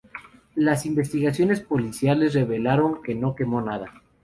Las investigaciones policiales revelaron que no quemó nada.